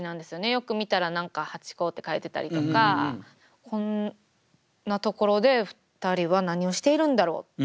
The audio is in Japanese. よく見たら何か「ハチ公」って書いてたりとかこんなところで２人は何をしているんだろう。